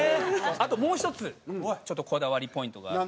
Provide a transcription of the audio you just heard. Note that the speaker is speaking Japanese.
あともう１つちょっとこだわりポイントがあって。